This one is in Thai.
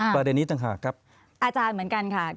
ประเด็นนี้ต่างหากครับ